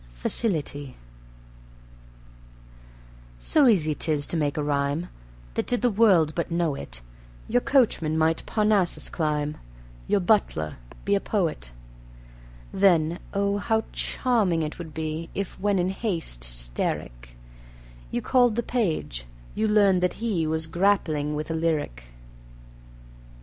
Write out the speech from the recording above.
Facility So easy 'tis to make a rhyme, That did the world but know it, Your coachman might Parnassus climb, Your butler be a poet. Then, oh, how charming it would be If, when in haste hysteric You called the page, you learned that he Was grappling with a lyric.